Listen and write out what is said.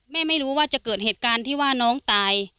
ไม่รู้ว่าจะเกิดเหตุการณ์ที่ว่าน้องตาย